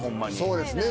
そうですね。